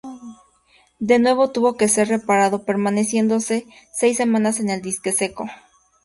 De nuevo tuvo que ser reparado, permaneciendo seis semanas en el dique seco.